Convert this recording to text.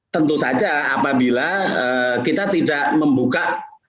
tentu saja apabila kita tidak membuka